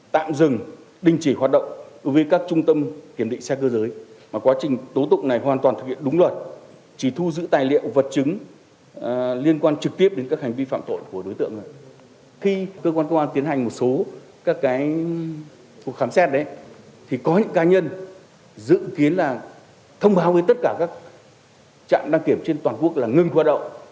thì có những cá nhân dự kiến là thông báo với tất cả các trạm đăng kiểm trên toàn quốc là ngưng hoạt động